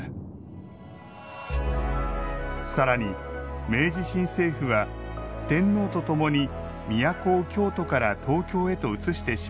更に明治新政府は天皇とともに都を京都から東京へとうつしてしまいます。